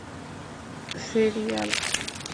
- Serial.